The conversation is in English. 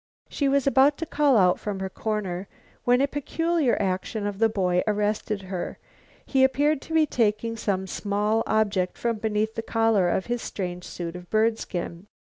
She was about to call out from her dark corner, when a peculiar action of the boy arrested her. He appeared to be taking some small object from beneath the collar of his strange suit of bird skin.